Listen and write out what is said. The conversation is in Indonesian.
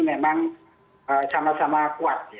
memang sama sama kuat